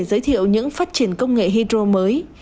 giới thiệu những phát triển công nghệ hydro mới